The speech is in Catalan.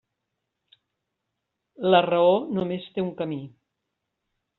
La raó només té un camí.